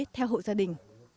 theo hộ gia đình